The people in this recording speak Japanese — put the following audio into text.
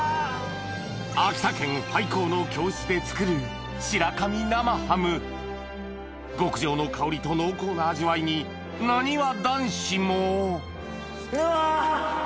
秋田県廃校の教室で作る極上の香りと濃厚な味わいになにわ男子もうわ！